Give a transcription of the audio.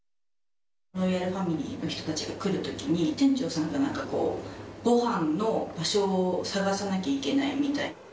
ロイヤルファミリーの人たちが来るときに、店長さんがなんかこう、ごはんの場所を探さなきゃいけないみたいな。